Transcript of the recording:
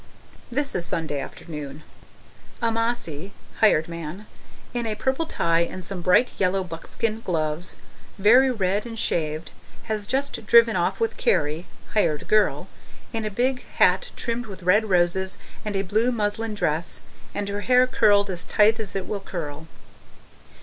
This is Sunday afternoon. Amasai (hired man) in a purple tie and some bright yellow buckskin gloves, very red and shaved, has just driven off with Carrie (hired girl) in a big hat trimmed with red roses and a blue muslin dress and her hair curled as tight as it will curl.